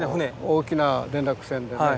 大きな連絡船でね。